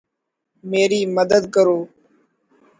میری مدد کرو